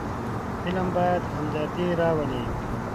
فلم باید همدردي راولي